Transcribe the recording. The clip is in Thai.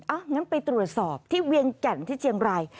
งั้นไปตรวจสอบที่เวียงแก่นที่เชียงราย